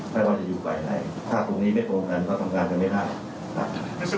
ถ้าร่วมจะอยู่ไปได้ถ้าตรงนี้ไม่โครงการก็ทำงานไปไม่ได้